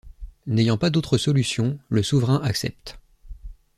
N'ayant pas d'autre solution, le souverain accepte.